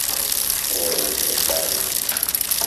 Ɣur-wet takeṛṛust!